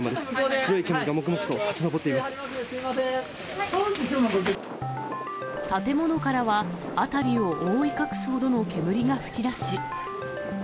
白い煙がもくもくと立ち上ってい建物からは、辺りを覆い隠すほどの煙が吹き出し。